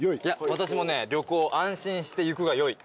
私もね旅行安心していくが良い。